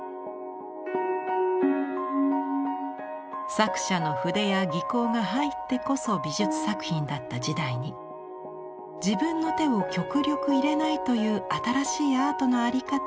作者の筆や技巧が入ってこそ美術作品だった時代に自分の手を極力入れないという新しいアートの在り方を提示したのです。